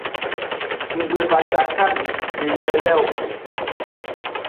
Nggbevacakami le lele o.